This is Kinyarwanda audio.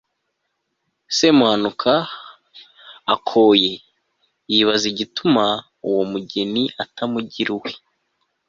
semuhanuka, akoye, yibaza igituma uwo mugeni atamugira uwe